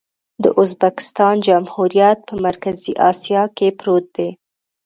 د ازبکستان جمهوریت په مرکزي اسیا کې پروت دی.